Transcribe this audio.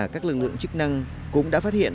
các lực lượng chức năng cũng đã phát hiện